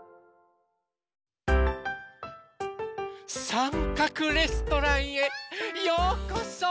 さんかくレストランへようこそ！